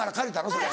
それ。